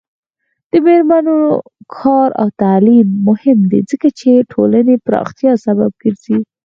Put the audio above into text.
د میرمنو کار او تعلیم مهم دی ځکه چې ټولنې پراختیا سبب ګرځي.